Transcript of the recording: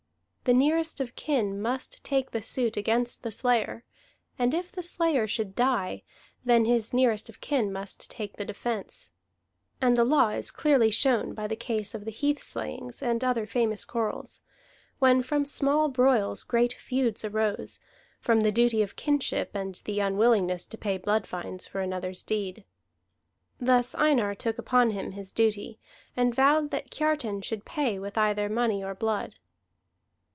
The nearest of kin must take the suit against the slayer; and if the slayer should die, then his nearest of kin must take the defence. And the law is clearly shown by the case of the Heath Slayings and other famous quarrels, when from small broils great feuds arose, from the duty of kinship and the unwillingness to pay blood fines for another's deed. Thus Einar took upon him his duty, and vowed that Kiartan should pay with either money or blood.